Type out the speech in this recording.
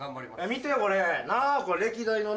見てやこれ。